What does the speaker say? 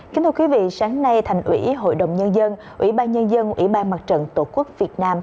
kính thưa quý vị sáng nay thành ủy hội đồng nhân dân ủy ban nhân dân ủy ban mặt trận tổ quốc việt nam